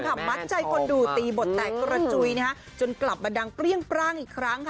มัดใจคนดูตีบทแตกกระจุยนะฮะจนกลับมาดังเปรี้ยงปร่างอีกครั้งค่ะ